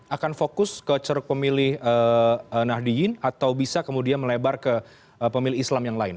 akan fokus ke ceruk pemilih nahdiyin atau bisa kemudian melebar ke pemilih islam yang lain